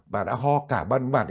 và đã ho cả ban bản